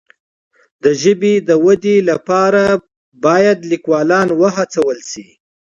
د ژبې د ودي لپاره باید لیکوالان وهڅول سي.